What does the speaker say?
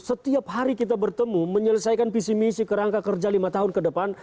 setiap hari kita bertemu menyelesaikan visi misi kerangka kerja lima tahun ke depan